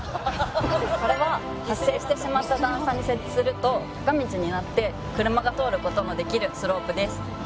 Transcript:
これは発生してしまった段差に設置すると坂道になって車が通る事もできるスロープです。